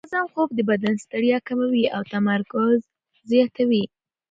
منظم خوب د بدن ستړیا کموي او تمرکز زیاتوي.